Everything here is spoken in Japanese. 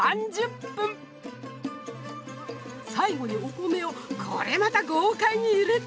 最後にお米をこれまた豪快に入れて。